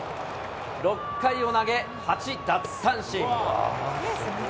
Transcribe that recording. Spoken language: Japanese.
６回を投げ、８奪三振。